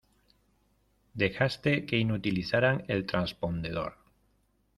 dejaste que inutilizaran el transpondedor.